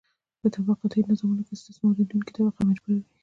په طبقاتي نظامونو کې استثماریدونکې طبقه مجبوره وي.